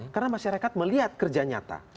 karena masyarakat melihat kerja nyata